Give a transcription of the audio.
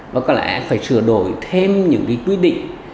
và có lẽ phải sửa đổi thêm những cái quy định